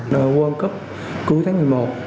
đời quân cướp cuối tháng một mươi một